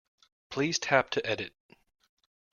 Please tap to edit.